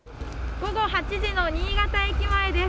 午後８時の新潟駅前です。